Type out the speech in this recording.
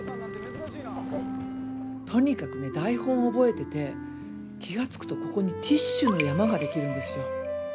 とにかくね台本覚えてて気が付くとここにティッシュの山ができるんですよ。